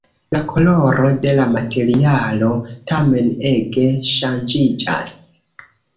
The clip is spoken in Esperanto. La koloro de la materialo tamen ege ŝanĝiĝas.